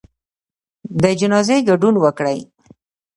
د جنازې ګډون وکړئ